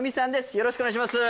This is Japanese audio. よろしくお願いします